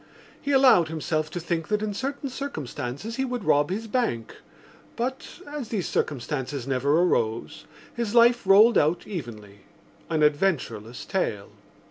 He allowed himself to think that in certain circumstances he would rob his bank but, as these circumstances never arose, his life rolled out evenly—an adventureless tale.